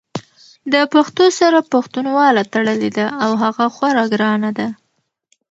د پښتو سره پښتنواله تړلې ده او هغه خورا ګرانه ده!